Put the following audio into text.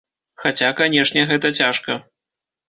Хаця, канешне, гэта цяжка.